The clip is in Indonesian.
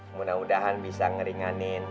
mudah mudahan bisa ngeringanin